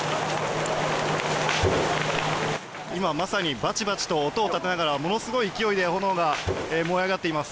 今、まさにバチバチと音を立てながらものすごい勢いで炎が燃え上がっています。